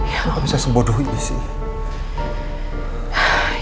kenapa bisa sebodoh ini sih